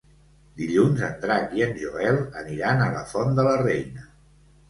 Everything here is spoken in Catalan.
Dilluns en Drac i en Joel aniran a la Font de la Reina.